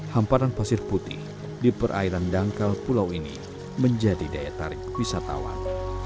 hamparan pasir putih di perairan dangkal pulau ini menjadi daya tarik wisatawan